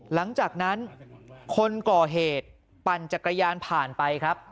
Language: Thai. หลังจากนั้นคนก่อเหตุปั่นจักรยานผ่านไปครับ